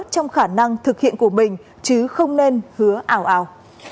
trong khả năng thực hiện của mình chứ không nên hứa ảo